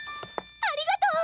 ありがとう！